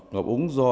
ngập úng do